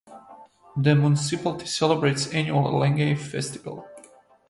The municipality celebrates annual Lang-ay Festival.